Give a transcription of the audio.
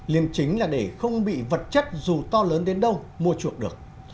liêm chính là để không bị vật chất dù to lớn đến đâu mua chuộc được